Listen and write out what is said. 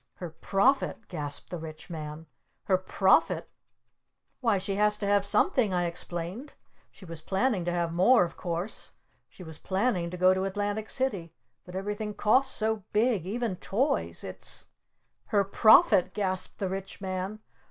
"Her profit?" gasped the Rich Man. "Her Profit?" "Why, she had to have something!" I explained. "She was planning to have more, of course! She was planning to go to Atlantic City! But everything costs so big! Even toys! It's " "Her Profit?" gasped the Rich Man.